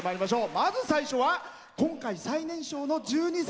まず最初は今回、最年少の１２歳。